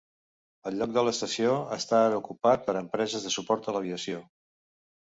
El lloc de l'estació està ara ocupat per empreses de suport a l'aviació.